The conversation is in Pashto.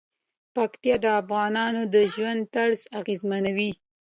پکتیکا د افغانانو د ژوند طرز اغېزمنوي.